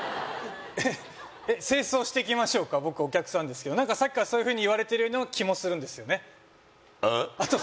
えっ清掃してきましょうか僕お客さんですけど何かさっきからそういうふうに言われてるような気もするんですああ？